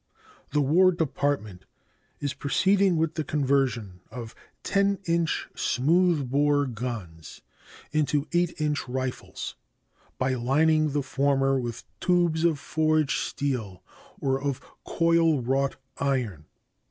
The War Department is proceeding with the conversion of 10 inch smoothbore guns into 8 inch rifles by lining the former with tubes of forged steel or of coil wrought iron.